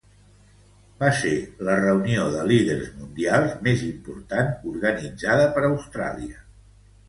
Va ser la reunió de líders mundials més important organitzada per Austràlia.